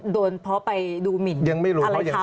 โดนเพราะไปดูหมินอะไรเขา